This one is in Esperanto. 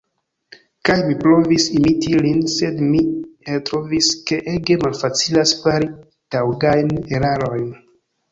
Kaj mi provis imiti lin, sed mi eltrovis ke ege malfacilas fari taŭgajn erarojn.